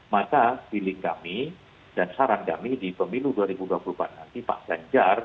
maka feeling kami dan saran kami di pemilu dua ribu dua puluh empat nanti pak ganjar